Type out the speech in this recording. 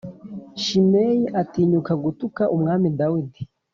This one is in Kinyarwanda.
Shimeyi atinyuka gutuka umwami Dawidi